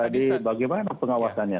jadi bagaimana pengawasannya